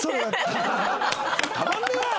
たまんねえな！